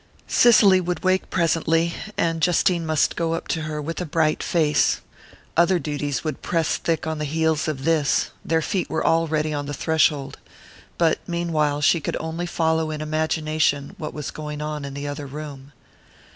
Cicely would wake presently, and Justine must go up to her with a bright face; other duties would press thick on the heels of this; their feet were already on the threshold. But meanwhile she could only follow in imagination what was going on in the other room....